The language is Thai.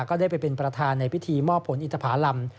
ก็ได้ไปเป็นประธานในพิธีมอบผลอิตภารำ